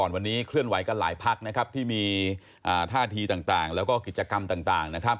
วันนี้เคลื่อนไหวกับหลายภาคที่มีท่าทีต่างและกิจกรรมต่าง